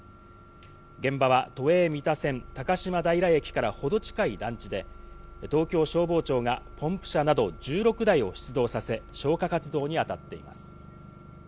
現場は都営三田線・高島平駅からほど近い団地で、東京消防庁がポンプ車など１６台を出動させ、消火活動に当たっています。